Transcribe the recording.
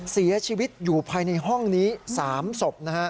เสียชีวิตอยู่ภายในห้องนี้๓ศพนะฮะ